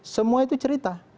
semua itu cerita